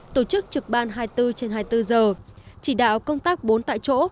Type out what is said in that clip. tổ chức trực ban hai mươi bốn trên hai mươi bốn giờ chỉ đạo công tác bốn tại chỗ